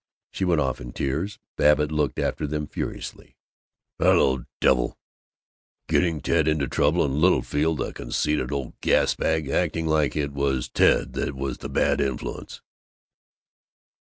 She went off in tears. Babbitt looked after them furiously. "That little devil! Getting Ted into trouble! And Littlefield, the conceited old gas bag, acting like it was Ted that was the bad influence!"